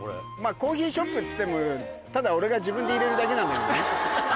コーヒーショップっつってもただ俺が自分で入れるだけなんだけどね。